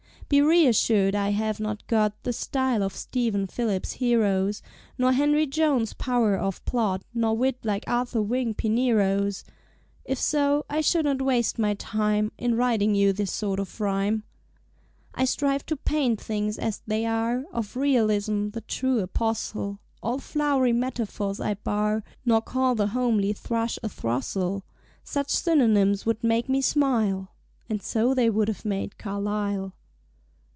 Be reassured, I have not got The style of Stephen Phillips' heroes, Nor Henry Jones's pow'r of Plot, Nor wit like Arthur Wing Pinero's! (If so, I should not waste my time In writing you this sort of rhyme.) I strive to paint things as they Are, Of Realism the true Apostle; All flow'ry metaphors I bar, Nor call the homely thrush a "throstle." Such synonyms would make me smile. (And so they would have made Carlyle.)